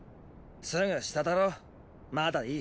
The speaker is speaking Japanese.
すぐ下だろまだいい。